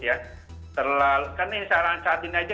karena saat ini saja